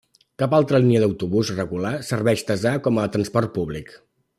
Cap altra línia d'autobús regular serveix Tesà com a transport públic.